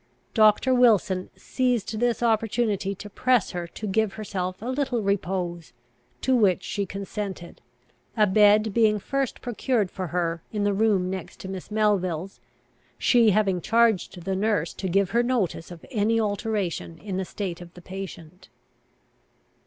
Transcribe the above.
Doctor Wilson seized this opportunity to press her to give herself a little repose, to which she consented, a bed being first procured for her in the room next to Miss Melville's, she having charged the nurse to give her notice of any alteration in the state of the patient.